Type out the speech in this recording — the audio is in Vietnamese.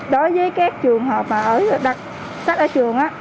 đối với các trường hợp mà đặt sách ở trường á